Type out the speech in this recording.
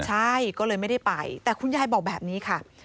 ใช่ก็เลยไม่ได้ไปแต่คุณยายบอกแบบนี้ค่ะ